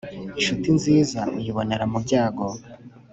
inshuti nziza uyibonera mu byago